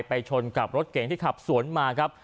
ชนกับรถเก่งที่ขับสวนมาครับ